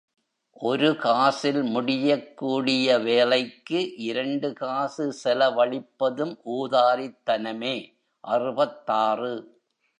ஒரு காசில் முடியக்கூடிய வேலைக்கு இரண்டு காசு செலவழிப்பதும் ஊதாரித்தனமே! அறுபத்தாறு.